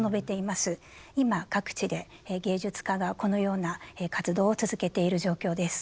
今各地で芸術家がこのような活動を続けている状況です。